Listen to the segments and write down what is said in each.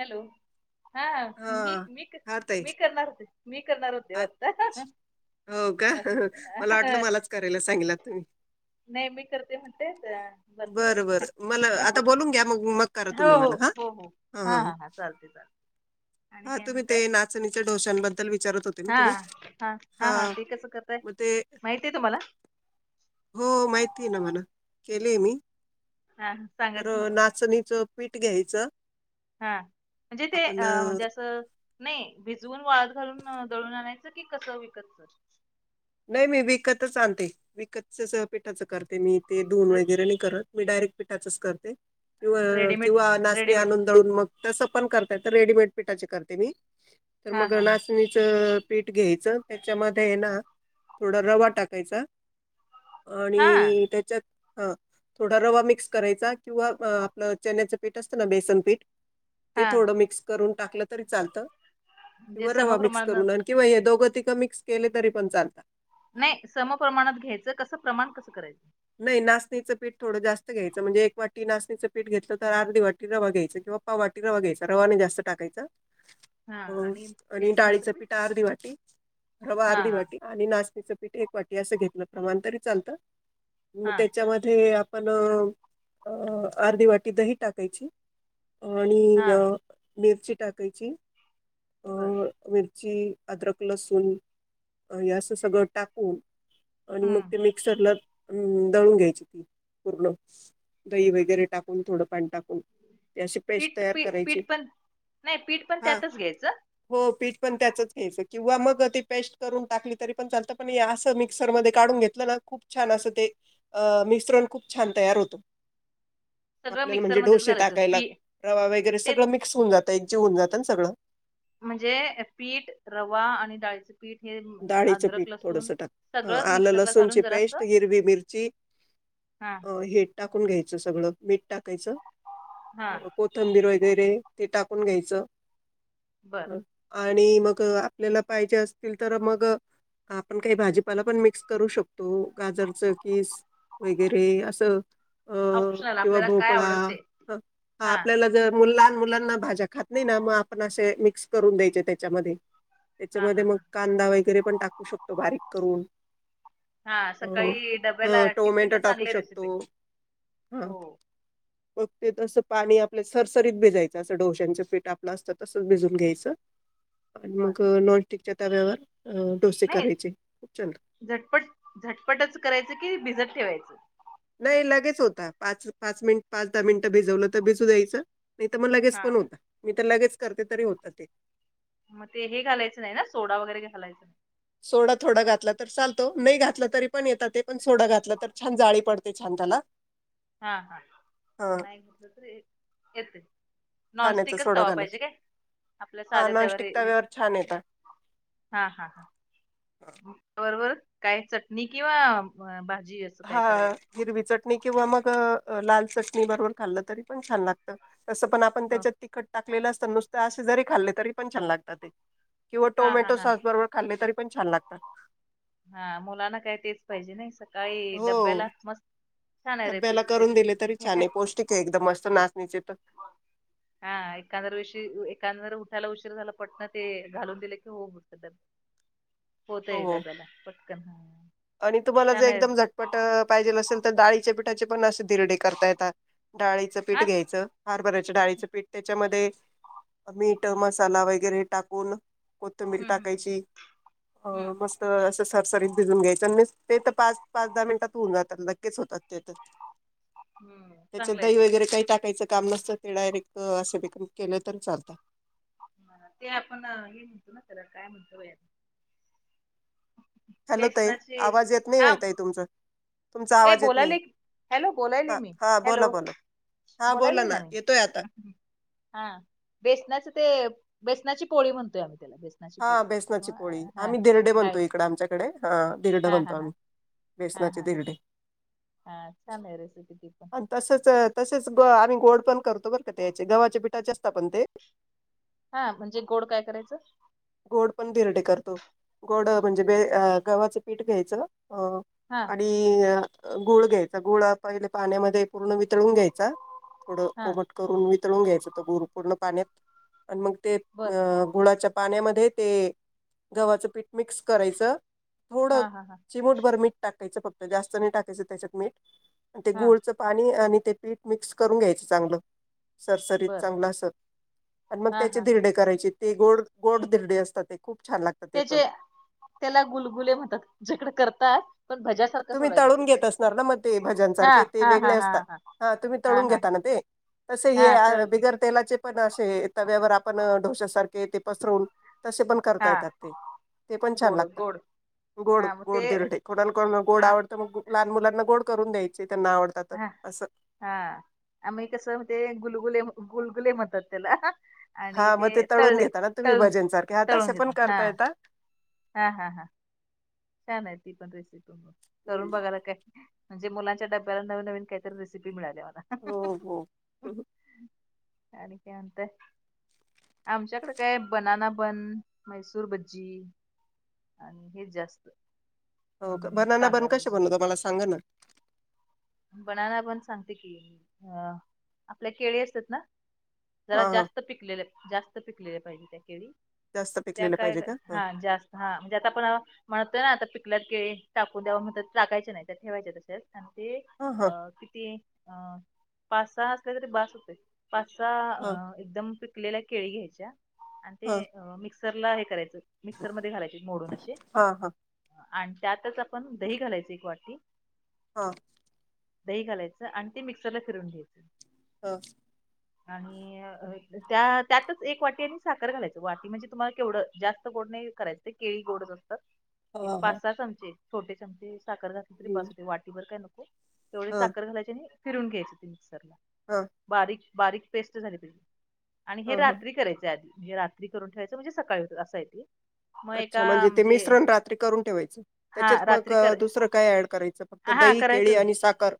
Hello हा मी मी मी करणार होते मी करणार होते. आता अच्छ हो का, असू दे मला वाटलं मलाच करायला सांगितला तुम्ही नाहीे मी करते म्हणते रात्री बरं बरं मला हो आता बोलून घ्या मग मग करा तुम्ही हो मला हा हो हो हा ह हा चालते चालते. आणि हा काय तुम्ही ते म्हणताय नाचणीच्या डोसांबद्दल विचारत हो. हा हा हा हा ते कस करतय मग ते माहतीय तुम्हाला हो माहिती आहे ना मला केलेय मी हा सांगा तर की मला नाचणीचं पीठ घ्यायचं. हा म्हणजे ते आपण अ म्हणजे असं. नाही भिजवून वाळत घालून दळून आणायचं की कसं विकतच? नाही मी विकतच आणते विकत स पीठाचं करते मी ते धुण वगैरे नाही करत. मी डायरेक्ट पीठाच करते कि रेडीमेड किंवा नाचणी रेडीमेड आणून. तर मग तस पण करता येतं रेडिमेट पिठाचा करते मी तर हा मग हा नाष्टा चणीच पीठ घ्यायचं, त्याच्यामध्ये आहे ना. थोडा रवा टाकायचा हा हा आणि त्याच्यात हा थोडा रवा मिक्स करायचा किंवा आपलं चण्याचं पीठ असतं ना बेसन पीठ ते हा थोडं मिक्स करून टाकलं तरी चालतं म्हणजे किंवा रवा मिक्स समप्रमाणात करून आण. किंवा हे दोघ तिघ मिक्स केले तरी पण चालत. नाही समप्रमाणात घ्यायचं कसं प्रमाण कसं करायचं. नाही नाचणीचं पीठ थोडं जास्त घ्यायचं म्हणजे एक वाटी नाचणीचं पीठ घेतलं, तर अर्धी वाटी रवा घ्यायचं किंवा वाटी रवा घ्यायचा रवाने जास्त टाकायच. हा अ आणि बेसनाचं डाळीच पीठ पिठा अर्धी वाटी रवा हा अर्धी हा वाटी आणि नाचणीच पीठ एक वाटी असं घेतलं प्रमाण तरी चालतं. म हा त्याच्यामध्ये आपण अ अर्धी वाटी दही टाकायची. हा आणि अ मिरची टाकायची अ बर मिरची अदरक लसूण हे असं सगळं टाकून आणि मग हम्म ते मिक्सरला अम दळून घ्यायची ती पूर्ण दही वगैरे टाकून थोडं पाणी टाकून. ती अशी पेस्ट पीठ तयार पी करायची पीठ पण नाही पीठ पण हा त्यातच घ्यायचं. हो पीठ पण त्याच घ्यायचं किंवा मग ती पेस्ट करून टाकली तरी पण चालत पण असं मिक्सर मध्ये काढून घेत. ना खूप छान असं ते मिश्रण खूप छान तयार होतं. सगळं आपल्याला म्हणजे मिक्सरमध्येच डोशे घालायचं टाकायला पी रवा वगैरे तेच सगळं मिक्स होऊन जातं एकजीव होऊन जातं ना सगळं म्हणजे पीठ, रवा आणि डाळीचं पीठ हे म- डाळीचं अद्रक पीठ लसूण थोडसं टाक सगळंच आलं मिक्सरला लसूणची घालून जरा असं पेस्ट, हिरवी मिरची हा अ हे टाकून घ्यायचं सगळं मीठ टाकायचं. हा कोथंबीर वगैरे ते टाकून घ्यायचं बर ह आणि मग आपल्याला पाहिजे असतील तर मग आपण काही भाजीपाला पण मिक्स करू शकतो गाजरचं कीस वगैरे असं अ ऑप्शनल किंवा आपल्याला काय भोपळा आवडेल ते हा आपल्याला जर मुला लहान मुलांना भाज्या खात नाही ना मग आपण असे मिक्स करून द्यायचे त्याच्यामध्ये हा हा त्याच्यामध्ये मग हा कांदा वगैरे पण टाकू शकतो बारीक करून हा सकाळी डब्याला ह टिफिनला टोमॅटो टाकू चांगली रेसिपी शकतो. हा हो मग ते तसं पाणी आपल्या सरसरीत भिजायचं असं डोश्यांचं पीठ आपलं असतं तसंच भिजून घ्यायचं आणि बर मग नॉनस्टिकच्या तव्यावर अ डोसे नाही करायचे खूप छान झटपट झटपटच करायचं की भिजत ठेवायचं? नाही लगेच होता पाच पाच मिनिटं पाच दहा मिनिटं भिजवलं तर भिजू द्यायचं नाही तर मग लगेच हा. पण होता मी तर लगेच करते तरी होतात ते मग ते हे घालायचं नाही ना सोडा वगैरे घालायचं नाही? सोडा थोडा घातला तर चालतो नाही घातलं तरी पण येतात ते पण सोडा घातला तर छान जाळी पडते छान त्याला हा हा हा नाही कुठं तरी एक येतंय खाण्याचा नॉनस्टिकच सोडा तवा पाहिजे घालायचा काय आपल्या हा साध्या तव्यावर? नॉनस्टिक छान येतात. हा हा हा बरोबर काय चटणी किंवा भाजी असं काय हां करायचं हिरवी चटणी किंवा मग अ लाल चटणी बरोबर खाल्लं तरी पण छान लागतं तसं पण आपण पण हो. त्याच्यात तिखट टाकलेलं असतं नुसतं असे जरी खाल्लं तरी पण छान लागतात ते किंवा हा हा टोमॅटो हा सॉस बरोबर खाल्ले तरीपण छान लागतात हा मुलांना काय तेच पाहिजे नाही स काळी हो डब्याला मस्त छान आहे रेपि रेसिपी ते एकदम मस्त नाचणीचे तर हा एखांद्र दिवशी एखांद्र उठायला उशीर झाला पटनं ते घालून दिले की होतं तर [unintelligible] होतय हो. डब्याला पटकन हा आणि तुम्हाला जर छान आहे एकदम झटपट पाहिजेल असेल तर डाळीच्या पिठाचे पण अशे धिरडे करता येतात डाळीचं हा पीठ घ्यायचं हरभर्याच्या डाळीचं पीठ त्याच्यामध्ये मीठ, मसाला वगैरे टाकून कोथिंबीर हम्म हम्म टाकायची अ हम्म मस्त असं सरसरीत भिजून घ्यायची ते तर पाच पाच दहा मिनिटात होऊन जातात लगेच होतात ते तर हम्म हम्म. त्याच्यात चांगलं आहे दही ते पण. वगैरे काही टाकायचं? काम नसतं ते डायरेक्ट असे केलं तर चालतात ते आपण हे म्हणतो ना त्याला काय म्हणतो बाई? हॅलो ताई बेसनाचे आवाज येत हा नाही ताई तुमचा तुमचा हे आवाज येत नाही बोलालोय की हॅलो बोलालोय हा मी हा बोला हॅलो. बोला. हा बोला बोललोय ना मी. येतोय आता. हा बेसनाच ते, बेसनाची पोळी म्हणतोय आपण हा बेसनाची पोळी. आम्ही धीरडे म्हणतो डाळीची इकडे आमच्याकडे. हा धीरड हा हा म्हणतो हा आम्ही. हा हा बेसनाचे हा हा धीरडे. हा, छान आहे रेसिपी ती पण. तसच तसेच, ग आम्ही गोड पण करतो बर का त्या याचे, गव्हाचे पिठाचे असता पण ते. हा म्हणजे गोड काय करायच. गोड पण धिरडी करतो. गोड म्हणजे बे गव्हाच पीठ घ्यायच. अ हा आणि गुळ घ्यायचा. गुळ पहिले पाण्यामध्ये पूर्ण वितळून घ्यायचा. थोड हा कोमट करून वितळून घ्यायच तो गुळ पूर्ण पाण्यात. आणि मग ते, बर अ गुळाच्या पाण्यामध्ये ते गव्हाच पीठ मिक्स करायच. थोड हा हा हा चिमुटभर मीठ टाकायच फक्त जास्त नाही टाकायच त्याच्यात मीठ. आणि ते हा गुळच पाणी आणि ते पीठ मिक्स करून घ्यायच चांगल. सरसरीत बर चांगल अस. आणि मग हा त्याचे हा हा धीरडे करायचे. ते गोड गोड धीरडे असतात ते. खूप छान लाग ते जे, त्याला गुलगुले म्हणतात. आमच्याकडे करतात. पण भज्यासारखं तुम्ही सोडायचं ते तळून घेत असणार ना मग ते भज्यां हा सारखे ते हा वेगळे हा हा असतात. हा तुम्ही तळून घेताना ते. तस हे हा आ तळ बिगर तेलाचे पण असे तव्यावर आपण ढोश्या सारखे ते पसरून तसे पण करता हा येतात ते. पण छान गोड लागता. गोड गोड हा मग ते गोड धीरडे. कोणाला कोणाला गोड हा आवडत त मग लहान मुलांना गोड करून द्यायचे त्यांना आवडतात तर हा अस. हा आम्ही कस, ते गुलगुले गुलगुले म्हणतात त्याला. आणि हा मग ते तळून तळले घेता ना तुम्ही तळू भजनसारखे हा तळून तसे पण घेता. हा करता येता हा हा हा. छान आहे ती पण रेसिपी. करून हो बघायला काय म्हणजे, मुलांच्या डब्याला नवीन नवीन काहीतरी रेसिपी मिळाली मला. हो हो आणि काय म्हणताय? आमच्याकडे काय बनाना बन, मैसूर भज्जी आणि हेच जास्त. हो का, हम्म बनाना बन कांदा कशे भजी बनवता मला सांगा ना. बनाना बन पण सांगते की, अ आपल्या केळी असतात ना. हा जरा हा जास्त पिकलेले जास्त पिकलेले पाहिजे त्या केळी. जास्त त्या पिकलेलं काय पाहिजे का ह हा जास्त हा म्हणजे आता आपण म्हणतोय ना आता पिकल्यात टाकू द्याव म्हणत. टाकायचे नाही त्या ठेवायचे तसेच. आणि ते हा हा अ किती अ पाच सहा असले तरी बास होते. पाच हा सहा एकदम पिकलेल्या केळी घ्यायच्या. आणि ते हा मिक्स मिक्सरला हे करायच, मिक्सर मध्ये घालायचे मोडून अस. हा हा आणि त्यातच आपण दही घालायची एक वाटी. ह दही घालायच आणि ते मिक्सरला फिरून घ्यायच. ह आणि अ त्या त्यातच एक वाटी आणि साखर घालायच. वाटी म्हणजे तुम्हाला केवढ, जास्त गोड नाही करायच. ते केळी गोडच असतात. एक हा हा पाच सहा चमचे छोटे चमचे साखर घातली तरी बास हम्म वाटीबर काय नको. तेवढी हा साखर घालायची आणि फिरून घ्यायच ते मिक्सर ला. ह बारीक बारीक पेस्ट झाली पाहिजे आणि हे हा हा रात्री करायचे आधी म्हणजे रात्री रात्री करून ठेवायचं म्हणजे सकाळी होत अस आहे ते. मग अच्छा एका म्हणजे ते मिश्रण रात्री करून ठेवायचं हा त्याच्यात मग रात्री कर दुसरं काय ऍड करायच? त हा दही, करायचं केळी ना. आणि साखर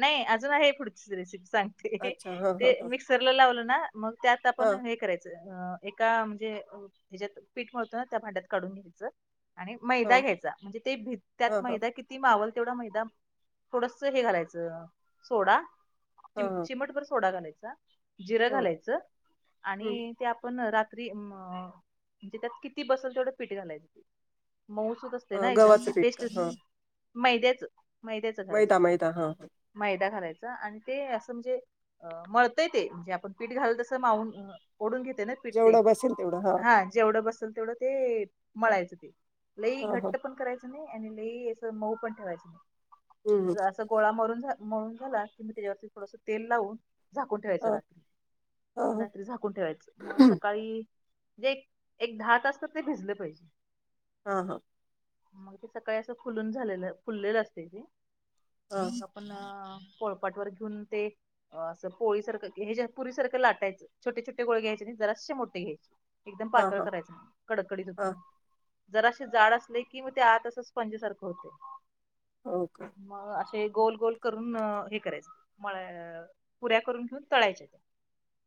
नाही अजून आहे पुढची रेसिपी सांगते. अच्छा हा ते हा हा मिक्सरला लावलं ना मग त्यात आपण हा हे करायच एका म्हणजे ह्याच्यात पीठ मिळतो ना त्या भांड्यात काढून घ्यायचं. आणि मैदा हा घ्यायचा, म्हणजे ते भीत हा त्यात हा मैदा किती मावल तेवढा मैदा थोडस हे घालायचं, सोडा हा हा चिमटभर सोडा घालायचा, जिरं हो घालायचं. आणि ह ते आपण रात्री म्हणजे त्यात किती बसल तेवढं पीठ घालायचं. मऊसूत असते ना एकदम गव्हाचं ते पीठ का पेस्ट हा मैद्याच मैद्याचं करायच मैदा पीठ. मैदा हा हा. मैदा घालायचा आणि ते असं म्हणजे मळतंय ते म्हणजे आपण पीठ घाल तसं माऊन ओढून घेते न पिठ ते जेवढं बसेल तेवढं हा जेवढं बसेल तेवढं ते मळायचं ते. लई हा हा घट्ट पण करायचं नाही, आणि लई असं मऊ पण ठेवायचं हम्म नाही असं गोळा मरून मळून झाला की मी त्याच्यावरती थोडस तेल लावून झाकून ठेवायचं हा रात्री, हा हा रात्री झाकून ठेवायचं मग सकाळी जे एक एक दहा तास तरी ते भिजल पाहिजे. हा हा मग ते सकाळी असं फुलून झालेलं, फुललेलं असतय ते हा मग आपण पोळपाट वर घेऊन ते असं पोळीसारखं हे पुरी सारखं लाटायचं छोटे छोटे गोळे घ्यायचे नाही, जराशे मोठे घ्यायचे. एकदम हा पातळ हा करायचं नाही, कडकडीत होतय हा मग जरासे जाड असले की मग ते आत असं स्पंजसारखं होतय. हो का मग असे गोल गोल करून हे करायचं मळा पुऱ्या करून घेऊन तळायच्या त्या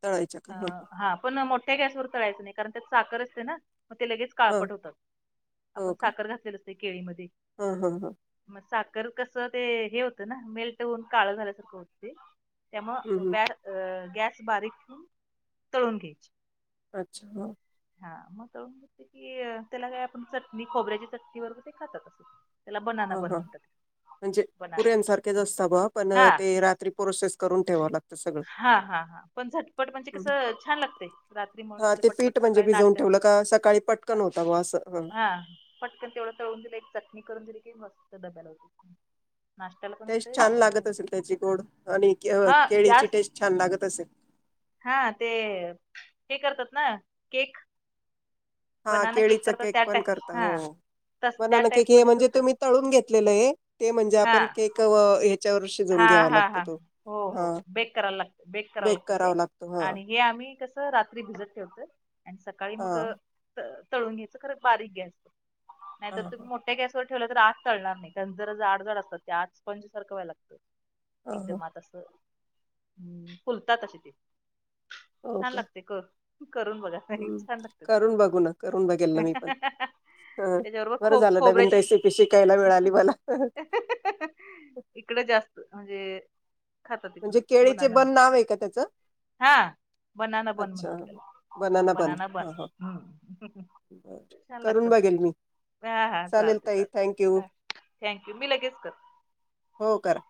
तळायच्या का ह हा पण मोठ्या गॅसवर तळायचं नाही कारण त्यात साखर असते ना मग ते लगेच ह काळपट होतात, आपण साखर घातलेलं असतय केळीमध्ये. हम्म हम्म हम्म मग साखर कसं ते हे होतं ना, मेल होऊन काळं झाल्यासारखं होतं ते. हं, त्यामुळं हं. बॅर गॅस बारीक ठेवून तळून घ्यायची. अच्छा हो हा मग तळून घेतलं की त्याला काय आपण चटणी खोबऱ्याची चटणी बरोबर ते खातात अस. हा हा म्हणजे बनाना पुऱ्यांसारखेच असता बॉ पण हा ते रात्री प्रोसेस. करून ठेवा लाग हा हा हा पण झटपट म्हणजे हं. कसं छान लागतय रात्री मळून हां, ठेवलं ते पटपट पीठ म्हणजे सकाळी भिजवून नाश्त्यात ठेवलं का सकाळी पटकन होता बॉ असं. हा पटकन तेवढं तळून दिलं एक चटणी करून दिली की मस्त डब्याला होत. टेस्ट छान लागत असेल त्याची गोड आणि केळ हा केळीची जास्त टेस्ट छान लागत असेल. हा ते हे करतात ना, केक हा बनाना केळीचं करतात केक त्या पण टाईप करता हा हो तस त्या बनाना केक टाईप हे मध्येच म्हणजे होत तुम्ही तळून घेतलेलं ये, ते म्हणजे हा आपण केक ह्याच्यावर शिजवून हा, घ्यावा हा, लागतो हा, तो. हो, हां, हो, बेक करावं लागतं बेक करावं लागतं ते करावा लागतो. हां, आणि हे आम्ही कसं रात्री भिजत ठेवतोय आणि सकाळी मग हां, त तळून घ्यायचं खरं बारीक गॅसवर नाहीतर हां, तुम्ही हां. मोठ ठया गॅसवर ठेवलं तर आत तळणार नाई, कारण जरा जाड जाड असतात त्या, आत स्पंजसारख व्हायला लागंतय. हां, हां. एकदम आत असं फुलतात अशे ते हो छान का? लागतय, कर करून बघा. [unintelligible] हम्म छान लागत्यात. करून बघू ना करून बघेल ना हां मी पण हां हां ह त्याच्याबरोबर बरं खो झालं नवीन खोबऱ्याचेच रेसिपी शिकायला मिळाली मला इकडे जास्त म्हणजे खातात म्हणजे इकडं केळीचे बनाना बन नाव ये का त्याच हा बनाना बन म्हणतात तेला बनाना बन, हम्म् करून बघेल, मी हा, हा, चालेल चालते, ताई चालते. थँक यू थँक यू, मी लगेच कर हो, कर.